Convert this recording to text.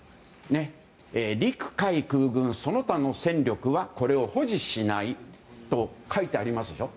陸海空軍その他の戦力はこれを保持しないと書いてありますでしょ。